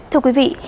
thưa quý vị